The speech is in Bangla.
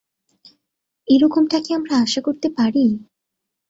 এরকমটা কি আমরা আশা করতে পারি?